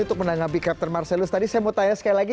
untuk menanggapi captain marcelus tadi saya mau tanya sekali lagi